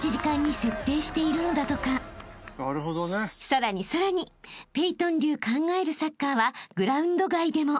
［さらにさらにペイトン流考えるサッカーはグラウンド外でも］